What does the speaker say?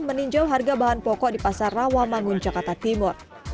meninjau harga bahan pokok di pasar rawamangun jakarta timur